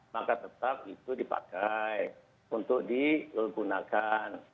maka tetap itu dipakai untuk digunakan